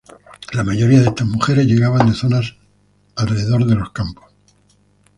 La mayoría de estas mujeres llegaban de zonas alrededor de los campos.